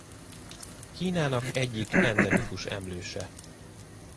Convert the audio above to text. Kínának egyik endemikus emlőse.